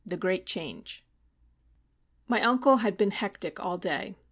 THE GREAT CHANGE My uncle had been hectic all day.